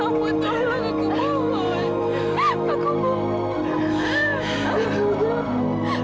lakukan bertolong untuk orang lain kembali